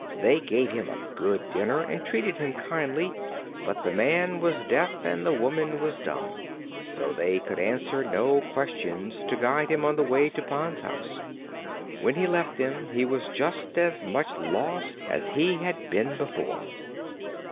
They gave him a good dinner and treated him kindly, but the man was deaf and the woman was dumb, so they could answer no questions to guide him on the way to Pon's house. When he left them he was just as much lost as he had been before.